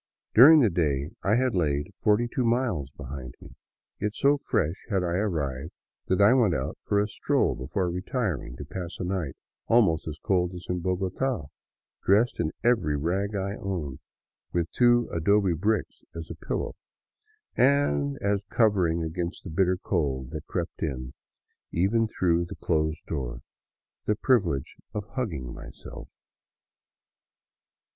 During the day I had laid forty two miles behind me, yet so fresh had I arrived that I went out for a stroll before retiring to pass a night almost as cold as in Bogota, dressed in every rag I owned, with two adobe bricks as pillow, and as covering against the bitter cold that crept in even through the closed door — the privilege of hugging myself.